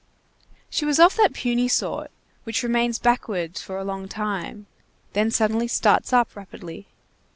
She was of that puny sort which remains backward for a long time, then suddenly starts up rapidly.